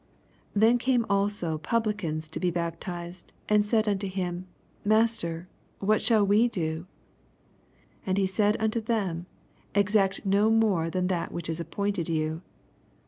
12 Then came also Publicans to be baptized, and said unto him. Master, what shall we do ? 18 And he said unto them. Exact no more than that which is appointed you.